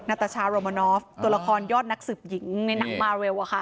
ตาชาโรมานอฟตัวละครยอดนักสืบหญิงในหนังมาเร็วอะค่ะ